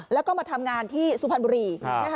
แล้วก็มาทำงานที่สุพรรณบุรี